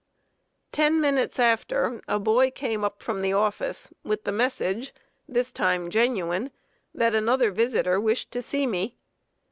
] Ten minutes after, a boy came up from the office, with the message this time genuine that another visitor wished to see me.